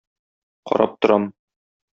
Карап торам.